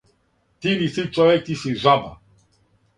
Ти ниси човек ти си жаба!